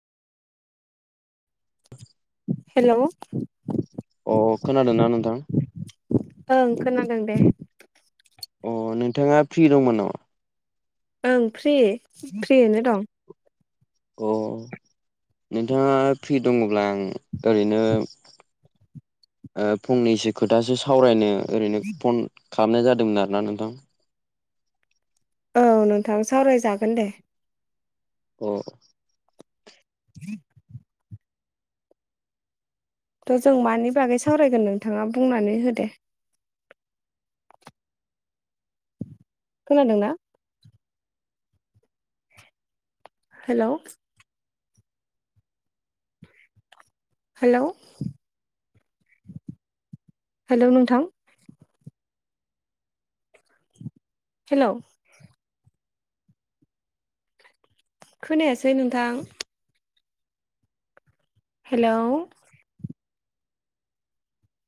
hello अ खोनादोना नोंथां ओं खोनादों दे अ नोंथाङा फ्रि दंमोन नामा ओं फ्रि फ्रियिनो दं अ नोंथाङा फ्रि दङब्ला आं ओरैनो ओ फंनैसो खोथासो सावरायनो ओरैनो फन खामनाय जादोंमोन आरोना नोंथां औ नोंथां सावरायजागोन दे अ त' जों मानि बागै सावरायगोन नोंथाङा बुंनानै हो दे खोनादोंना हेल' हेल' हेलौ नोंथां हेलौ खोनायासै‌ नोंथां हेलौ